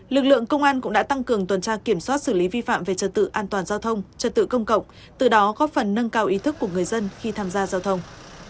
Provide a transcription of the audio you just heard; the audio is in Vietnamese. lực lượng công an cũng đã tăng cường tuần tra kiểm soát xử lý vi phạm về trật tự an toàn giao thông trật tự công cộng từ đó góp phần nâng cao ý thức của người dân khi tham gia giao thông